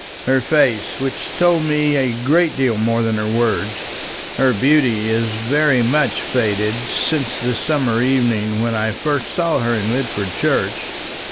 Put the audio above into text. "Her face, which told me a great deal more than her words. Her beauty is very much faded since the summer evening when I first saw her in Lidford Church.